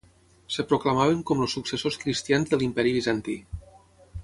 Es proclamaven com els successors cristians de l'Imperi Bizantí.